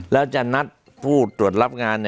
แล้วจะนัดผู้ตรวจรับงาน